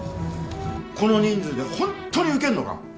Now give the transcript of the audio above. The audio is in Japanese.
この人数でホンットに受けんのか？